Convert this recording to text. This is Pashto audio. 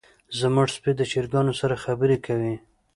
زمونږ سپی د چرګانو سره خبرې کوي.